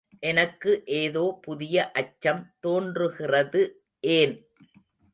எனக்கு ஏதோ புதிய அச்சம் தோன்றுகிறது ஏன்?